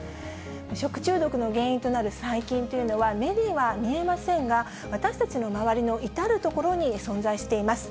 食中毒の原因となる細菌というのは、目には見えませんが、私たちの周りの至る所に存在しています。